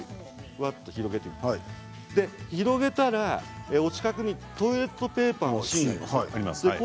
広げたらお近くにトイレットペーパーの芯がありますね。